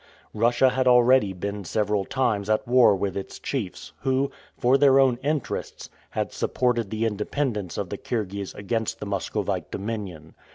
Russia had already been several times at war with its chiefs, who, for their own interests, had supported the independence of the Kirghiz against the Muscovite dominion.